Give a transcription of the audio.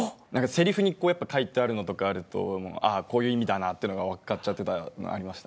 せりふに書いてあるのとかあるとこういう意味だって分かっちゃってたのありました。